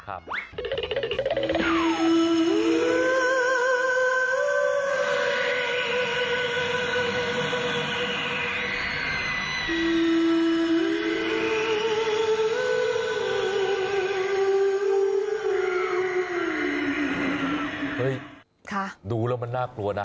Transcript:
ค่ะดูแล้วมันน่ากลัวนะ